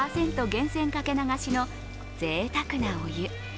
原泉かけ流しのぜいたくなお湯。